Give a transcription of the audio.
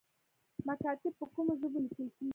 مکاتیب په کومو ژبو لیکل کیږي؟